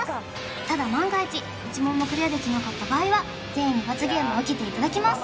ただ万が一一問もクリアできなかった場合は全員に罰ゲームを受けていただきます